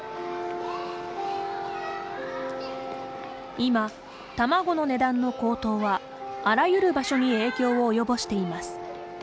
今、卵の値段の高騰はあらゆる場所に影響を及ぼしています。